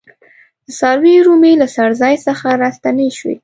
د څارویو رمې له څړځای څخه راستنې شوې.